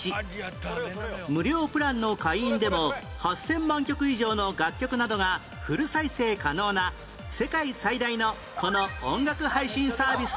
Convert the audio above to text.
無料プランの会員でも８０００万曲以上の楽曲などがフル再生可能な世界最大のこの音楽配信サービスの名前は？